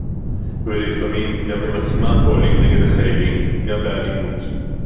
ולפעמים גם הם עצמם פועלים נגד החיילים גם באלימות